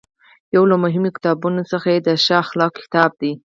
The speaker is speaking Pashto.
یو له مهمو کتابونو څخه یې د ښې اخلاقو کتاب دی.